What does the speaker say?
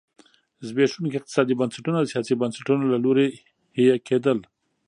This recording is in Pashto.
زبېښونکي اقتصادي بنسټونه د سیاسي بنسټونو له لوري حیه کېدل.